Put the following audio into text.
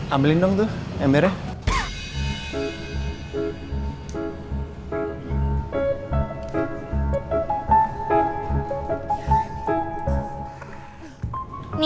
ambilin dong tuh mr nya